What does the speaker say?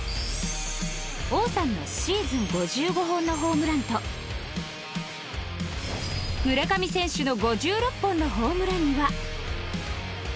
王さんのシーズン５５本のホームランと村上選手の５６本のホームランには